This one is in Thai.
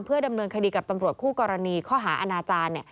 ดำเนินคดีกับตำรวจคู่กรณีข้อหาอาณาจารย์